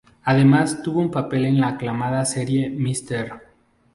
Además tuvo un papel en la aclamada serie "Mr.